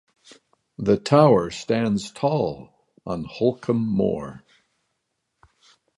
The tower stands tall on Holcombe Moor.